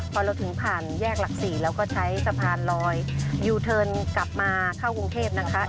พอเราถึงผ่านแยกหลัก๔เราก็ใช้สะพานลอยยูเทิร์นกลับมาเข้ากรุงเทพนะคะ